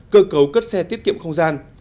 cơ cấu cất xe tiết kiệm không gian